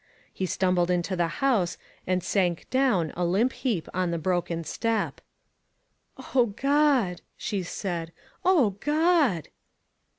He stumbled into the house, and sank down a limp heap on the broken step. "O God!" she said, "O God!"